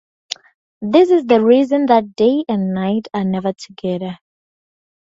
This is the reason that day and night are never together.